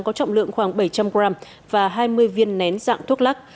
có trọng lượng khoảng bảy trăm linh g và hai mươi viên nén dạng thuốc lắc